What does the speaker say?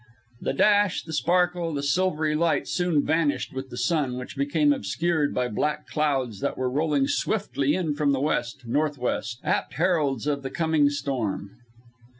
The dash, the sparkle, the silvery light soon vanished with the sun, which became obscured by black clouds that were rolling swiftly in from the west, northwest; apt heralds of the coming storm.